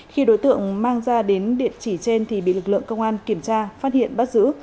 khi đối tượng mang ra đến địa chỉ trên thì bị lực lượng công an kiểm tra phát hiện bắt giữ